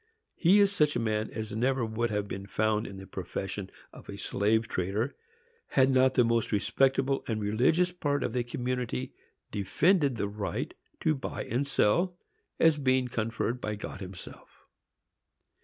He is such a man as never would have been found in the profession of a slave trader, had not the most respectable and religious part of the community defended the right to buy and sell, as being conferred by God himself.